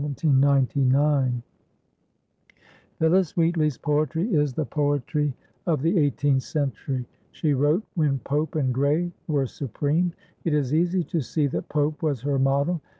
Phillis Wheatley's poetry is the poetry of the Eighteenth Century. She wrote when Pope and Gray were supreme; it is easy to see that Pope was her model.